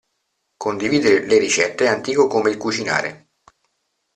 Condividere le ricette è antico come il cucinare.